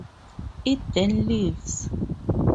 It then leaves.